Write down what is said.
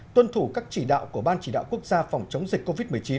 tuân thủ các chỉ đạo của ban chỉ đạo quốc gia phòng chống dịch covid một mươi chín